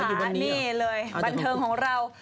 นี่เลยบันเทิงของเรา